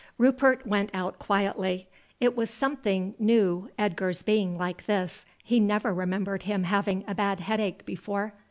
Rupert went out quietly. It was something new Edgar's being like this, he never remembered him having a bad headache before.